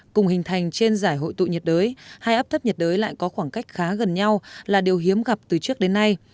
cùng hình thành trên giải hội tụ nhiệt đới hai áp thấp nhiệt đới lại có khoảng cách khá gần nhau là điều hiếm gặp từ trước đến nay